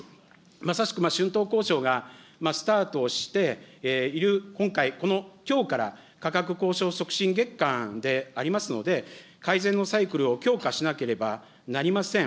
まさしく春闘交渉がスタートをしている今回、このきょうから、この価格交渉月間でありますので、改善のサイクルを強化しなければなりません。